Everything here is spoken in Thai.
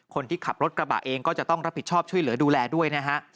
คนที่ขับรถกระบะเองก็จะต้องรับผิดชอบช่วยเหลือดูแลด้วยนะฮะ